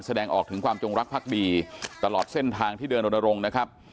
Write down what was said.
แสดงออกถึงความจงรักภักดีตลอดเส้นทางที่เดินรณรงค์นะครับ